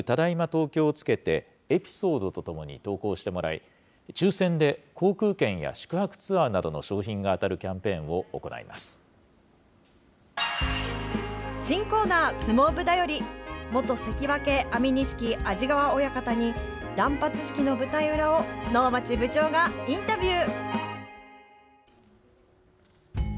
東京をつけてエピソードとともに投稿してもらい、抽せんで航空券や宿泊ツアーなどの賞品が当たるキャンペーンを行新コーナー、相撲部だより、元関脇・安美錦、安治川親方に、断髪式の舞台裏を能町部長がインタビュー。